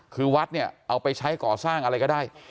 คือวัดเนี่ยเอาไปใช้ก่อสร้างอะไรก็ได้